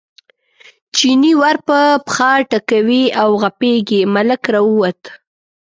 چیني ور په پښه ټکوي او غپېږي، ملک راووت.